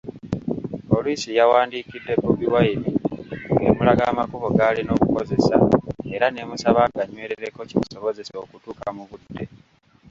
Poliisi yawandiikidde BobiWine ng'emulaga amakubo g'alina okukozesa era n'emusaba aganywerereko kimusobozese okutuuka mu budde.